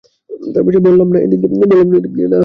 বললাম না এদিক দিয়ে না আসতে?